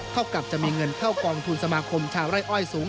เท่ากับจะมีเงินเข้ากองทุนสมาคมชาวไร่อ้อยสูง